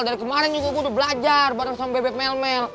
dari kemarin juga gue udah belajar bareng sama bebek melmel